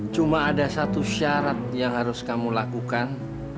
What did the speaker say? cuma ada satu syarat yang harus kamu lakukan